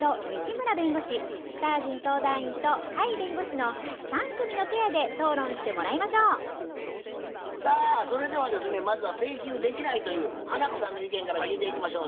この相談は３組のペアで討論してもらいましょうさあそれではですねまずは請求できないという花子さんの意見から聞いていきましょう。